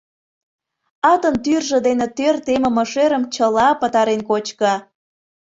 — Атын тӱржӧ дене тӧр темыме шӧрым чыла пытарен кочко.